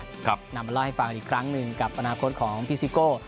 นำมาเล่าให้ฟังอีกครั้งหนึ่งกับอนาคตของพี่ซิโก้